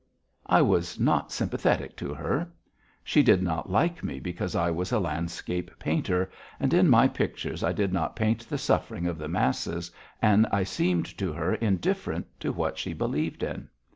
I was not sympathetic to her. She did not like me because I was a landscape painter, and in my pictures did not paint the suffering of the masses, and I seemed to her indifferent to what she believed in.